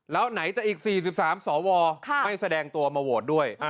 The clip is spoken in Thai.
แล้วไหนจะอีก๔๓สวไม่แสดงตัวมาโหวตด้วย